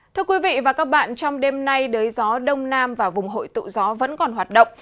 thưa quý vị và các bạn trong đêm nay đới gió đông nam và vùng hội tụ gió vẫn còn hoạt động